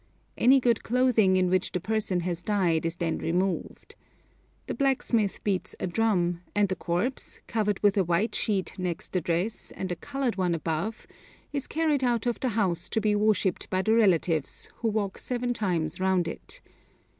Any good clothing in which the person has died is then removed. The blacksmith beats a drum, and the corpse, covered with a white sheet next the dress and a coloured one above, is carried out of the house to be worshipped by the relatives, who walk seven times round it.